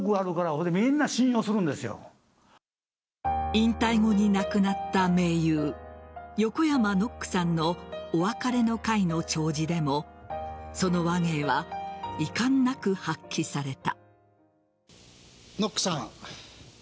引退後に亡くなった盟友・横山ノックさんのお別れの会の弔辞でもその話芸はいかんなく発揮された。